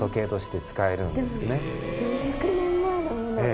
４００年前のものが？